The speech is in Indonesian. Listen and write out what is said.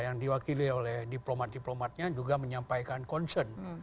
yang diwakili oleh diplomat diplomatnya juga menyampaikan concern